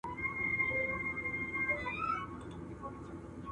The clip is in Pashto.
د سهار هوا تازه وي.